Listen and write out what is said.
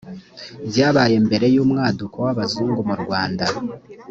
byabaye mbere y’umwaduko w’abazungu mu rwanda